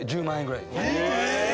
え